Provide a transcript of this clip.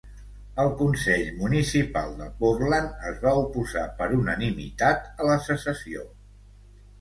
El Consell Municipal de Portland es va oposar per unanimitat a la secessió.